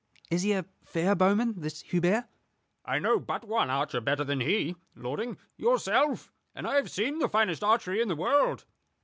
"Is he a fair bowman, this Hubert?" "I know but one archer better than he, lording yourself; and I have seen the finest archery in the world."